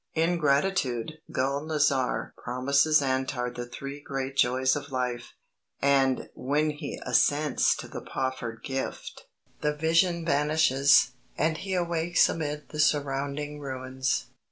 In gratitude Gul nazar promises Antar the three great joys of life, and, when he assents to the proffered gift, the vision vanishes, and he awakes amid the surrounding ruins."